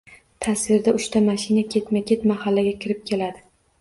Tasvirda uchta mashina ketma-ket mahallaga kirib keladi...